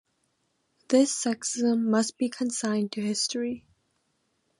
This sexism must be consigned to history.